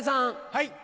はい。